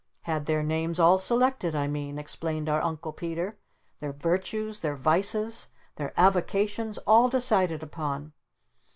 "Had their names all selected I mean," explained our Uncle Peter. "Their virtues, their vices, their avocations, all decided upon.